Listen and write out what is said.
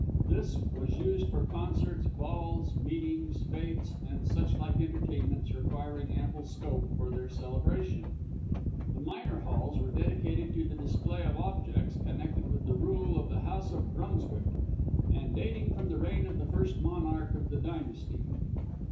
This was used for concerts, balls, meetings, fêtes, and such like entertainments requiring ample scope for their celebration. The minor halls were dedicated to the display of objects connected with the rule of the House of Brunswick, and dating from the reign of the first monarch of the dynasty.